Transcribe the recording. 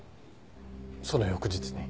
その翌日に。